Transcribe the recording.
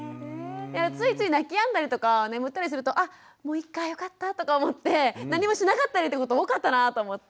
ついつい泣きやんだりとか眠ったりするとあもういっかよかったとか思って何もしなかったりってこと多かったなと思って。